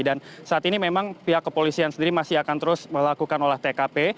dan saat ini memang pihak kepolisian sendiri masih akan terus melakukan olah tkp